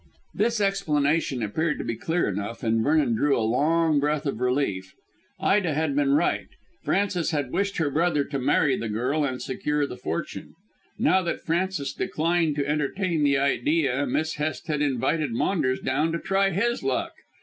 This explanation appeared to be clear enough, and Vernon drew a long breath of relief. Ida had been right; Frances had wished her brother to marry the girl and secure the fortune. Now that Francis declined to entertain the idea Miss Hest had invited Maunders down to try his luck.